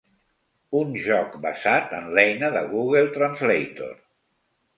Un joc basat en l'eina de Google Translator.